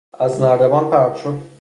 از نردبان پرت شد